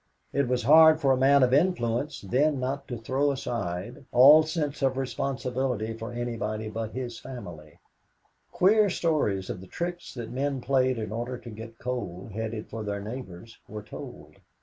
It was hard for the man of influence then not to throw aside all sense of responsibility for anybody but his family. Queer stories of the tricks that men played in order to get coal, headed for their neighbors, were told.